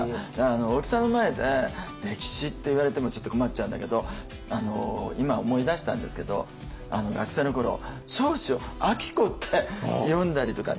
大木さんの前で歴史っていわれてもちょっと困っちゃうんだけど今思い出したんですけど学生の頃彰子を「あきこ」って読んだりとかね。